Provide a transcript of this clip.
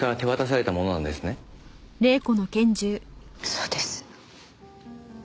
そうです。